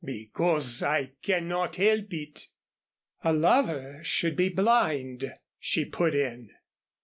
"Because I cannot help it " "A lover should be blind," she put in.